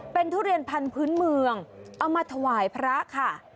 เป็นทุเรียนพันธุ์พื้นเมืองเอามาถวายพระค่ะ